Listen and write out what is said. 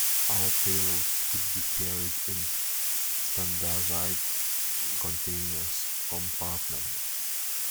All payloads could be carried in a standardised container compartment.